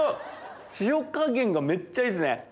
塩加減がめっちゃいいっすね！